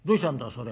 それ。